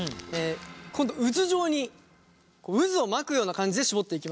今度渦状に渦を巻くような感じで絞っていきます。